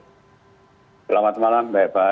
selamat malam mbak eva